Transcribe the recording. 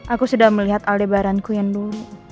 aku sudah melihat aldebaranku yang dulu